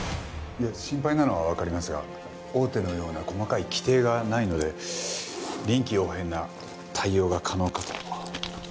いや心配なのはわかりますが大手のような細かい規定がないので臨機応変な対応が可能かと。